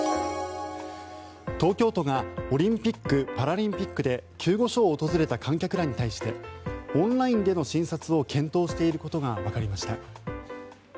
東京都がオリンピック・パラリンピックで救護所を訪れた観客らに対してオンラインでの診察を検討していることがわかりました。